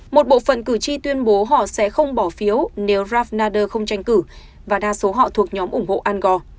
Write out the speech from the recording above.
một bộ phận cử tri tuyên bố họ sẽ không bỏ phiếu nếu ralph nader không tranh cử và đa số họ thuộc nhóm ủng hộ ăn gò